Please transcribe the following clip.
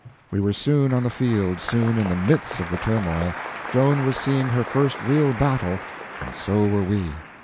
We were soon on the field, soon in the midst of the turmoil. Joan was seeing her first real battle, and so were we.